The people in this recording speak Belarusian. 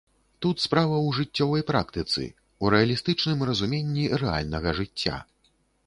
Тут справа ў жыццёвай практыцы, у рэалістычным разуменні рэальнага жыцця.